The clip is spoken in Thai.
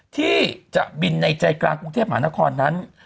ที่จะบินในใจกลางกรุงเทพมหานครนั้น